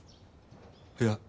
いや。